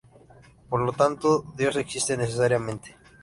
Por lo tanto, Dios existe necesariamente.